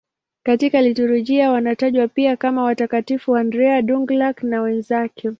Katika liturujia wanatajwa pia kama Watakatifu Andrea Dũng-Lạc na wenzake.